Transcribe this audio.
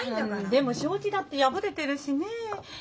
でも障子だって破れてるしねえ。